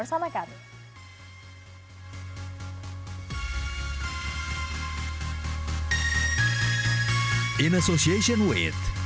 sampai bersama kami